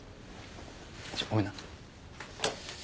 ちょっとごめんな。